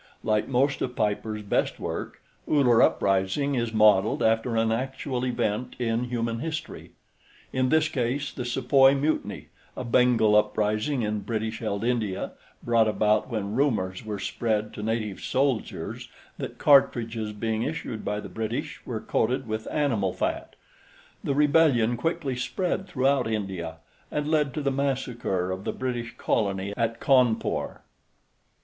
Like most of Piper's best work, Uller Uprising is modeled after an actual event in human history; in this case the Sepoy Mutiny (a Bengal uprising in British held India brought about when rumors were spread to native soldiers that cartridges being issued by the British were coated with animal fat. The rebellion quickly spread throughout India and led to the massacre of the British Colony at Cawnpore.).